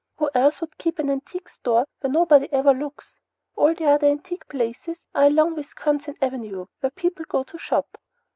Who else would keep an antique store where nobody ever looks? All the other antique places are along Wisconsin Avenue where people go to shop."